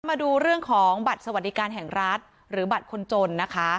มาดูเรื่องของบัตรสวัสดิการแห่งรัฐหรือบัตรคนจนนะคะ